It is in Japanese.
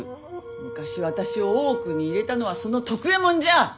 昔私を大奥に入れたのはその徳右衛門じゃ！